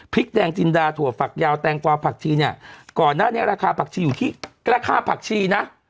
แดงจินดาถั่วฝักยาวแตงกวาผักชีเนี่ยก่อนหน้านี้ราคาผักชีอยู่ที่แค่ค่าผักชีนะ